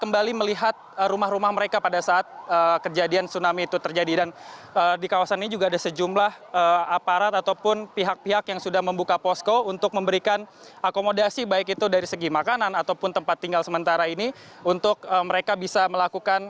bersama saya ratu nabila